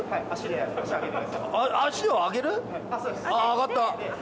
上がった。